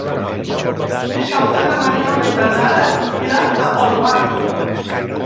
Dissabte na Mariona i na Nara iran a Olvan.